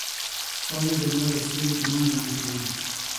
پاڼې د لمر او سیوري ترمنځ ژوند کوي.